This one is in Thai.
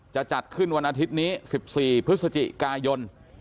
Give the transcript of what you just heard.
จะจัดขึ้นวันอาทิตย์นี้๑๔พฤศจิกายน